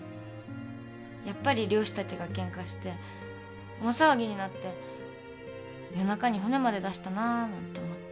やっぱり漁師たちがケンカして大騒ぎになって夜中に船まで出したなあなんて思って。